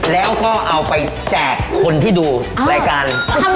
แล้วก็เอาไปแจกคนที่ดูรายการ